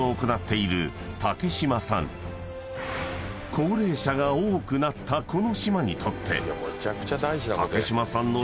［高齢者が多くなったこの島にとって］